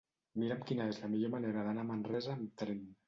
Mira'm quina és la millor manera d'anar a Manresa amb tren.